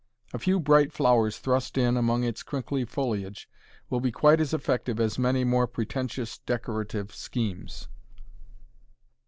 A few bright flowers thrust in among its crinkly foliage will be quite as effective as many more pretentious decorative schemes.